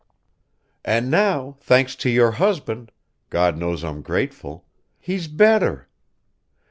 "And now, thanks to your husband God knows I'm grateful! he's better.